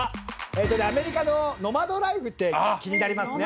えっとねアメリカのノマドライフって気になりますね。